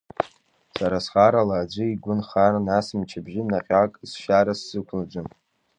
Сара схарала аӡәы игәы нхар, нас мчабжьы наҟьак сшьара сзықәлаӡом.